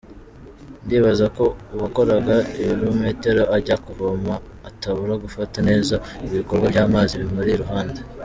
Ndibaza ko uwakoraga ibirometero ajya kuvoma atabura gufata neza ibikorwa by’amazi bimuri iruhande.